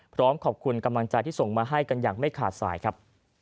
พร้อมขอบคุณกำลังใจที่ส่งมาให้กันอย่างไม่ขาดสายครับ